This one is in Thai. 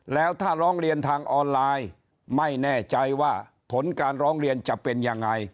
แล้วถ้าร้องเรียนทางออนไลน์ไม่แน่ใจว่าผลการร้องเรียนจะเป็นยังไง